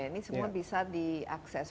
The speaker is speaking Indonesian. ini semua bisa diakses